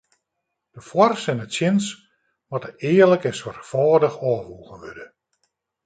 De foars en tsjins moatte earlik en soarchfâldich ôfwoegen wurde.